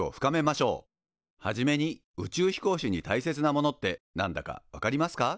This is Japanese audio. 初めに宇宙飛行士にたいせつなものってなんだかわかりますか？